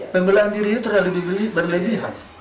pembelaan diri itu terlalu berlebihan